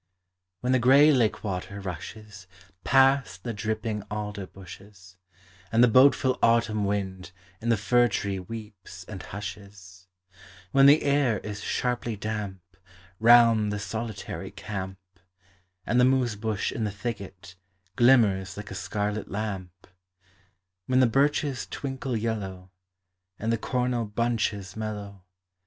When the gray lake water rushes Past the dripping alder bushes, And the bodeful autumn wind In the fir tree weeps and hushes,— When the air is sharply damp Round the solitary camp, And the moose bush in the thicket Glimmers like a scarlet lamp, — When the birches twinkle yellow, And the cornel bunches mellow.